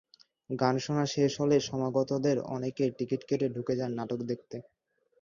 গান শোনা শেষ হলে সমাগতদের অনেকেই টিকিট কেটে ঢুকে যান নাটক দেখতে।